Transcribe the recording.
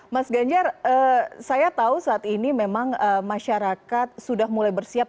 mas ganjar saya tahu saat ini memang masyarakat sudah mulai bersiap